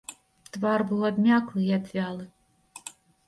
Твар быў абмяклы і абвялы.